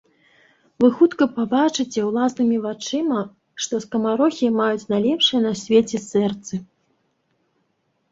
Вы хутка пабачыце ўласнымі вачыма, што скамарохі маюць найлепшыя на свеце сэрцы.